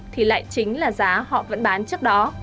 thì lại chính là giá họ vẫn bán trước đó